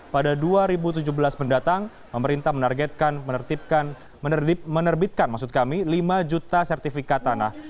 pada dua ribu tujuh belas mendatang pemerintah menargetkan menerbitkan maksud kami lima juta sertifikat tanah